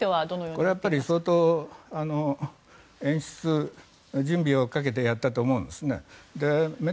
これは相当、演出準備をかけてやったと思うんです。